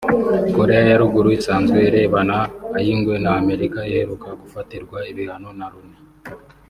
Koreya ya Ruguru isanzwe irebana ay’ingwe na Amerika iheruka gufatirwa ibihano na Loni